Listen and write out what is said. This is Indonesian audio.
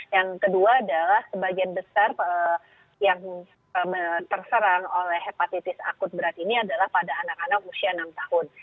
yang kedua adalah sebagian besar yang terserang oleh hepatitis akut berat ini adalah pada anak anak usia enam tahun